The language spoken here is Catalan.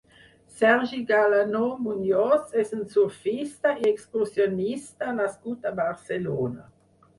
Sergi Galanó Muñoz és un surfista i excursionista nascut a Barcelona.